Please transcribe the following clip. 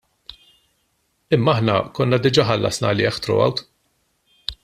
Imma aħna konna diġà ħallasna għalih throughout.